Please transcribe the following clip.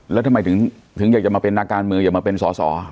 แล้วทำไมถึงอยากจะมาเป็นนักการเมืองอยากมาเป็นสอสอ